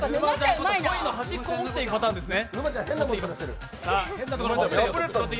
ポイの端っこを持ってるパターンですね。